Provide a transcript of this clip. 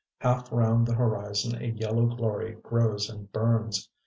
Half round the horizon a yellow glory grows and burns.